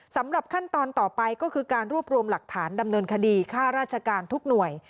สำหรับขั้นตอนต่อไปก็คือการรวบรวมหลักฐานดำเนินคดีค่าราชการทุกหน่วย